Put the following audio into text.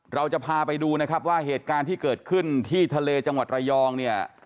เราจะพาไปดูนะครับว่าเหตุการณ์ที่เกิดขึ้นที่ทะเลจังหวัดระยองเนี่ย